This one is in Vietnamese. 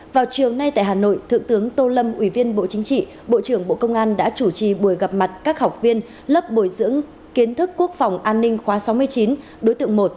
vào chiều nay tại hà nội thượng tướng tô lâm ủy viên bộ chính trị bộ trưởng bộ công an đã chủ trì buổi gặp mặt các học viên lớp bồi dưỡng kiến thức quốc phòng an ninh khóa sáu mươi chín đối tượng một